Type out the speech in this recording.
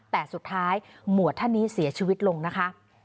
แต่สุดท้ายหมวดท่านนี้เสียชีวิตลงนะคะ